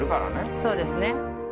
そうですね。